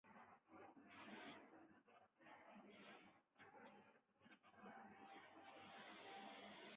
周共王繄扈继位。